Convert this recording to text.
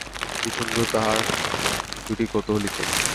কী সুন্দর তার দুটি কৌতুহলী চোখ।